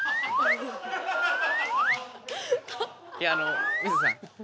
いやあの水田さん。